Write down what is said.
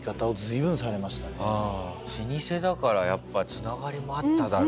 老舗だからやっぱ繋がりもあっただろうし。